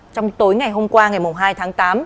trong tối ngày hôm qua ngày hai tháng tám